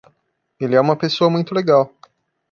Ele é uma pessoa muito legal.